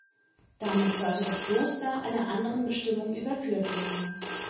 Damit sollte das Kloster einer anderen Bestimmung überführt werden.